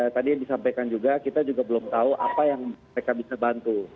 tadi yang disampaikan juga kita juga belum tahu apa yang mereka bisa bantu